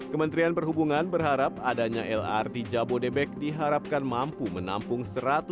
kementerian perhubungan berharap adanya lrt jabodebek diharapkan mampu menampung